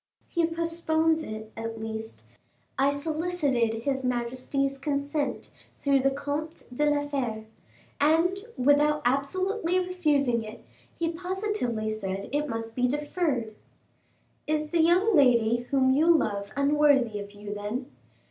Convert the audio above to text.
"He postpones it, at least. I solicited his majesty's consent through the Comte de la Fere, and, without absolutely refusing it, he positively said it must be deferred." "Is the young lady whom you love unworthy of you, then?"